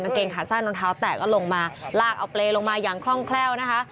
เกงขาสั้นรองเท้าแตกก็ลงมาลากเอาเปรย์ลงมาอย่างคล่องแคล่วนะคะ